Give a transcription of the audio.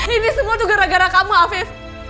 ini semua juga gara gara kamu afif